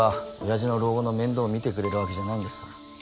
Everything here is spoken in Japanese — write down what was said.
親父の老後の面倒をみてくれるわけじゃないんだしさ